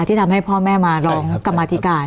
ที่ทำให้พ่อแม่มาร้องกรรมธิการ